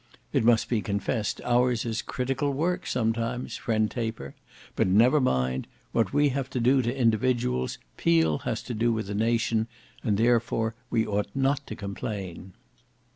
It must be confessed ours is critical work sometimes, friend Taper; but never mind—what we have to do to individuals Peel has to with a nation, and therefore we ought not to complain."